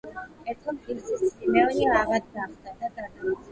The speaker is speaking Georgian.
ერთხელ ღირსი სვიმეონი ავად გახდა და გარდაიცვალა.